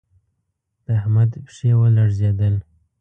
د احمد پښې و لړزېدل